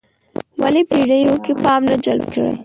ولې پېړیو کې پام نه جلب کړی.